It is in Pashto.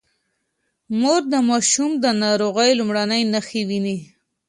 مور د ماشوم د ناروغۍ لومړنۍ نښې ويني.